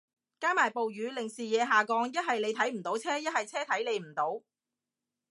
加埋暴雨令視野下降，一係你睇唔到車，一係車睇你唔到